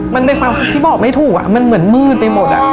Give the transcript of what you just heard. มันเป็นความคิดที่บอกไม่ถูกมันเหมือนมืดไปหมด